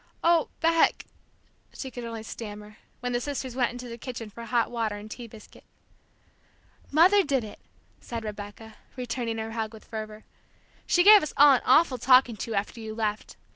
"Oh, Beck!" she could only stammer, when the sisters went into the kitchen for hot water and tea biscuit. "Mother did it," said Rebecca, returning her hug with fervor. "She gave us all an awful talking to, after you left!